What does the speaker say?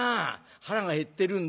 腹が減ってるんだよ。